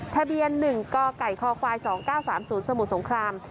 ทะเบียน๑กไก่คค๒๙๓๐สมุทรสงคราม